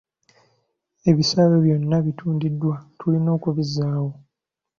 Ebisaawe byonna bitundiddwa tulina okubizzaawo.